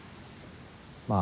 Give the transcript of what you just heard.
まあ